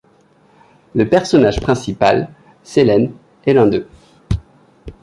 Le personnage principal, Sélèn est l’un d’eux.